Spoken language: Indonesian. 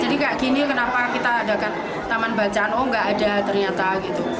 jadi kayak gini kenapa kita adakan taman bacaan oh nggak ada ternyata gitu